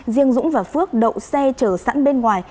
riêng dũng và phước đậu xe chở sẵn bên ngoài